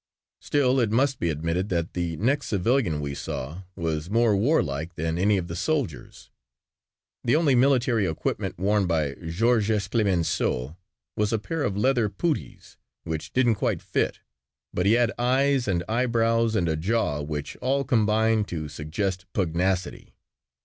Still it must be admitted that the next civilian we saw was more warlike than any of the soldiers. The only military equipment worn by Georges Clemenceau was a pair of leather puttees which didn't quite fit, but he had eyes and eyebrows and a jaw which all combined to suggest pugnacity.